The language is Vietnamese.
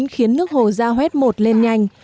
khiến nước hồ giao hét một lên nhanh